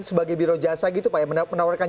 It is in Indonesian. sebagai biro jasa gitu pak ya menawarkan